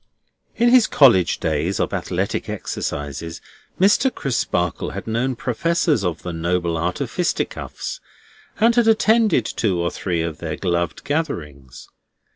In his college days of athletic exercises, Mr. Crisparkle had known professors of the Noble Art of fisticuffs, and had attended two or three of their gloved gatherings.